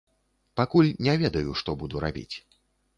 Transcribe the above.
Пакуль не ведаю, што буду рабіць.